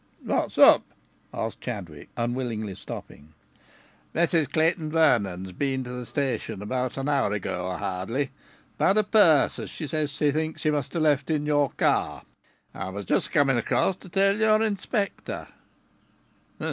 "What's up?" asked Chadwick, unwillingly stopping. "Mrs Clayton Vernon's been to the station an hour ago or hardly, about a purse as she says she thinks she must have left in your car. I was just coming across to tell your inspector."